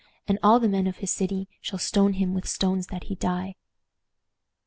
And all the men of his city shall stone him with stones that he die."